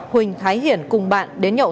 huỳnh thái hiển cùng bạn đến nhậu